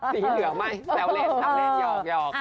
สีเหลือไหมแซวเลส